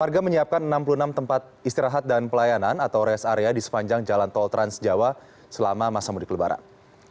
warga menyiapkan enam puluh enam tempat istirahat dan pelayanan atau rest area di sepanjang jalan tol transjawa selama masa mudik lebaran